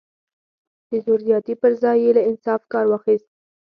د زور زیاتي پر ځای یې له انصاف کار واخیست.